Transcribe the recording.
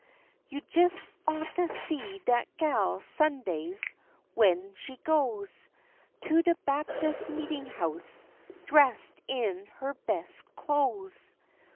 You jes oughtah see dat gal Sunday's w'en she goes To de Baptis' meetin' house, dressed in her bes' clo'es.